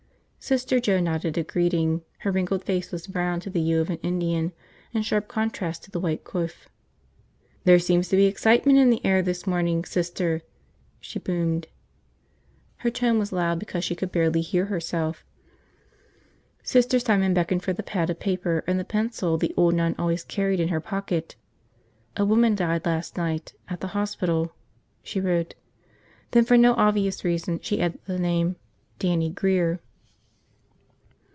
Sister Joe nodded a greeting. Her wrinkled face was browned to the hue of an Indian in sharp contrast to the white coif. "There seems to be excitement in the air this morning, Sister," she boomed. Her tone was loud because she could barely hear herself. Sister Simon beckoned for the pad of paper and the pencil the old nun always carried in her pocket. "A woman died last night. At the hospital," she wrote. Then for no obvious reason, she added the name, "Dannie Grear."